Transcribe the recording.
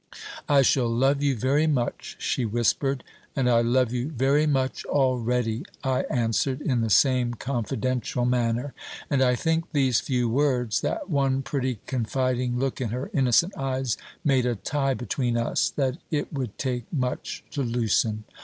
"I shall love you very much," she whispered. "And I love you very much already," I answered, in the same confidential manner. And I think these few words, that one pretty confiding look in her innocent eyes, made a tie between us that it would take much to loosen.